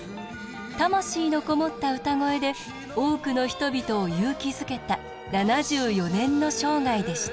魂の籠もった歌声で多くの人々を勇気づけた７４年の生涯でした。